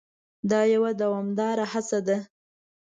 دا یوه دوامداره هڅه ده.